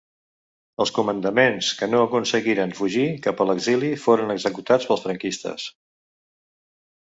Els comandaments que no aconseguiren fugir cap a l'exili foren executats pels franquistes.